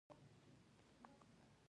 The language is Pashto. اکبرجان د دوی خبرو کې نه ور لوېده غلی و.